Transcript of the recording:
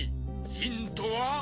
ヒントは？